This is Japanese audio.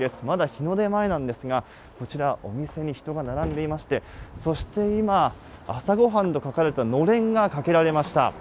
まだ日の出前なんですが、こちら、お店に人が並んでいまして、そして今、朝ごはんと書かれたのれんがかけられました。